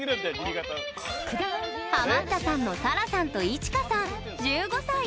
ハマったさんの、さらさんといちかさん、１５歳。